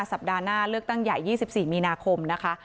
สัปดาห์หน้าเลือกตั้งใหญ่๒๔มีนาคมนะคะ